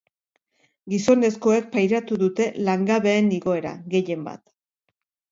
Gizonezkoek pairatu dute langabeen igoera, gehien bat.